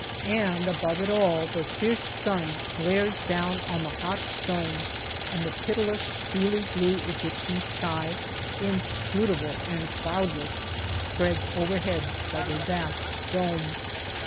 And above it all, the fierce sun glares down on the hot stones, and the pitiless, steely blue Egyptian sky, inscrutable and cloudless, spreads overhead like a vast dome.